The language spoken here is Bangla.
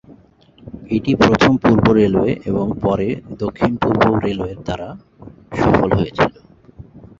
এটি প্রথম পূর্ব রেলওয়ে এবং পরে দক্ষিণ পূর্ব রেলওয়ের দ্বারা সফল হয়েছিল।